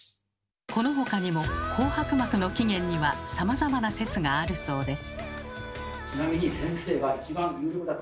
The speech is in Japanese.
このほかにも紅白幕の起源にはさまざまな説があるそうです。